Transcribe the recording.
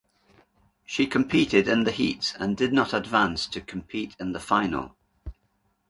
She competed in the heats and did not advance to compete in the final.